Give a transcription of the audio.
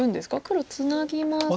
黒ツナぎますと。